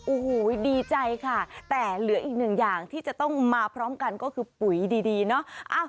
โอ้โหดีใจค่ะแต่เหลืออีกหนึ่งอย่างที่จะต้องมาพร้อมกันก็คือปุ๋ยดีเนาะ